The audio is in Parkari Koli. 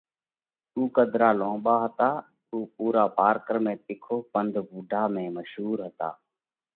اُو قڌ ۾ لونٻا هتا۔ اُو پُورا پارڪر ۾ تِکو پنڌ ووڍا ۾ مشهُور هتا۔